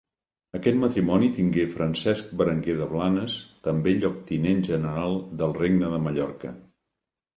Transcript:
Aquest matrimoni tingué Francesc Berenguer de Blanes, també lloctinent general del regne de Mallorca.